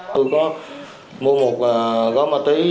tôi có mua một gói ma túy